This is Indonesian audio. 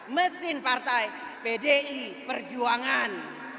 mesin partai pdi perjuangan